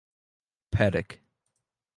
Paddock.